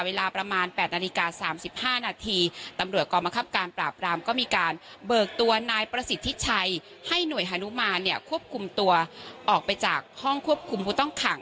เวลาประมาณ๘นาฬิกา๓๕นาทีตำรวจกองบังคับการปราบรามก็มีการเบิกตัวนายประสิทธิชัยให้หน่วยฮานุมานเนี่ยควบคุมตัวออกไปจากห้องควบคุมผู้ต้องขัง